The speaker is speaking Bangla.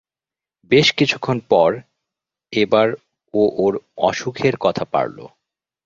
বেশ কিছুক্ষণ পর এবার ও ওর অসুখের কথা পাড়ল।